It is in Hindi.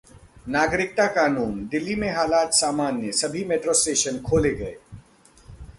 नागरिकता कानून: दिल्ली में हालात सामान्य, सभी मेट्रो स्टेशन खोले गए